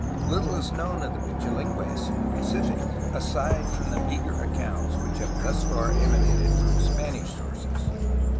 Little is known of the Pichilingues in the Pacific, aside from the meagre accounts which have thus far ema nated from Spanish sources.